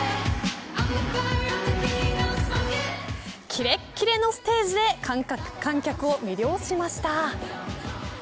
切れ切れのステージで観客を魅了しました。